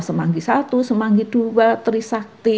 semanggi i semanggi ii trisakti